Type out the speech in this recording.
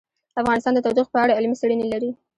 افغانستان د تودوخه په اړه علمي څېړنې لري.